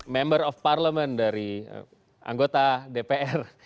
member of parlement dari anggota dpr